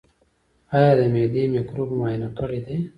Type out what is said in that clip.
ایا د معدې مکروب مو معاینه کړی دی؟